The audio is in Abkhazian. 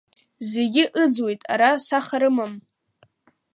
Зегь ыӡуеит ара саха рымам.